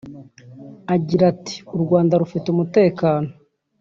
Agira ati “U Rwanda rufite umutekano